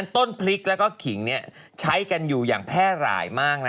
ต้นพริกแล้วก็ขิงใช้กันอยู่อย่างแพร่หลายมากนะ